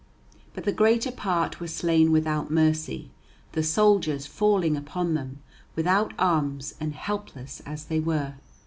But the greater part were slain without mercy, the soldiers falling upon them, without arms and helpless as they were.